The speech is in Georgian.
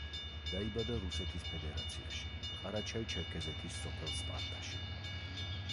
დაიბადა რუსეთის ფედერაციაში, ყარაჩაი-ჩერქეზეთის სოფელ სპარტაში.